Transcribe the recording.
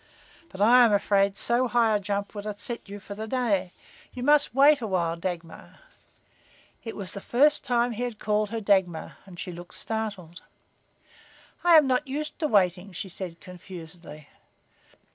"But I am afraid so high a jump would upset you for the day. You must wait awhile, Dagmar." It was the first time he had called her Dagmar, and she looked startled. "I am not used to waiting," she said, confusedly.